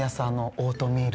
オートミール！